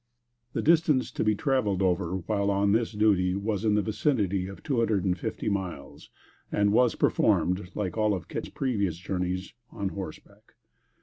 The distance to be traveled over while on this duty was in the vicinity of two hundred and fifty miles, and was performed, like all of Kit's previous journeys, on horseback.